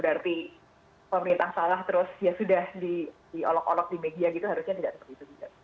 jadi pemerintah salah terus ya sudah diolok olok di media gitu harusnya tidak seperti itu juga